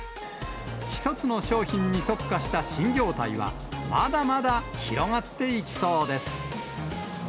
１つの商品に特化した新業態は、まだまだ広がっていきそうです。